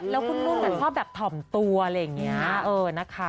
แล้วคุณลุ้นกันชอบแบบถอมตัวอะไรอย่างนี้เออนะคะ